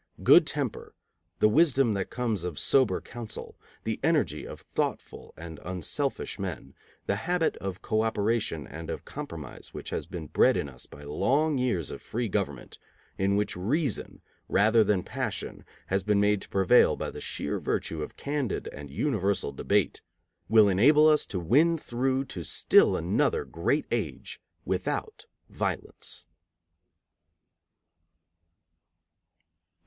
Good temper, the wisdom that comes of sober counsel, the energy of thoughtful and unselfish men, the habit of co operation and of compromise which has been bred in us by long years of free government, in which reason rather than passion has been made to prevail by the sheer virtue of candid and universal debate, will enable us to win through to still another great age without violence.